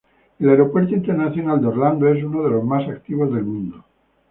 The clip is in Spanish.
El Aeropuerto Internacional de Orlando es uno de los más activos del mundo.